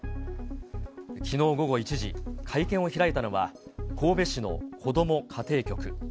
きのう午後１時、会見を開いたのは、神戸市のこども家庭局。